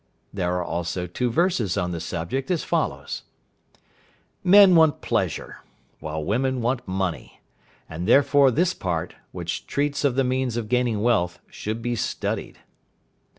There are also two verses on the subject as follows: "Men want pleasure, while women want money, and therefore this Part, which treats of the means of gaining wealth, should be studied."